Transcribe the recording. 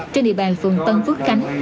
trên địa bàn phường tân phước khánh